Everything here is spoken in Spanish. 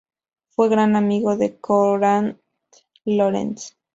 Fue gran amigo de Konrad Lorenz.